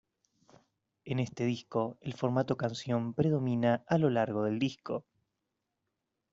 En este disco, el formato canción predomina a lo largo del disco.